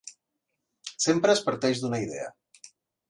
Sempre es parteix d'una idea.